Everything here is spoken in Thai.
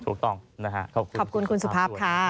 ถูกต้องขอบคุณคุณสุภาพ